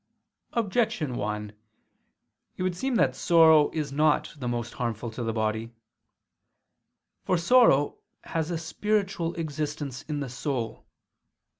Objection 1: It would seem that sorrow is not most harmful to the body. For sorrow has a spiritual existence in the soul.